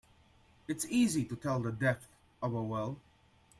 It's easy to tell the depth of a well.